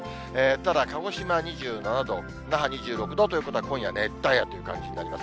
ただ、鹿児島２７度、那覇２６度ということは、今夜、熱帯夜という感じになります。